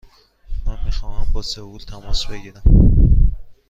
من می خواهم با سئول تماس بگیرم.